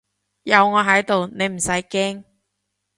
有我喺度你唔使驚